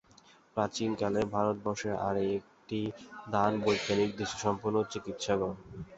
প্রাচীনকালে ভারতবর্ষের আর একটি দান বৈজ্ঞানিক- দৃষ্টিসম্পন্ন চিকিৎসকগণ।